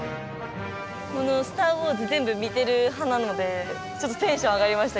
「スター・ウォーズ」全部見てる派なのでちょっとテンション上がりました